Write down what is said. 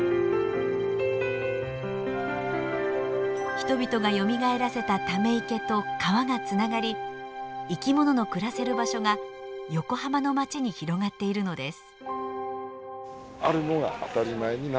人々がよみがえらせたため池と川がつながり生き物の暮らせる場所が横浜の街に広がっているのです。